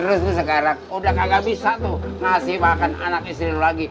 terus lo sekarang udah kagak bisa tuh ngasih makan anak istrin lo lagi